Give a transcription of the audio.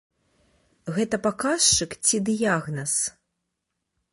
Гэта паказчык ці дыягназ?